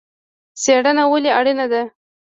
څیړنه ولې اړینه ده؟